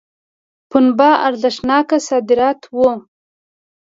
پنبه ارزښتناک صادرات وو.